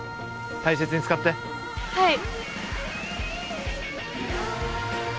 大切に使ってはい！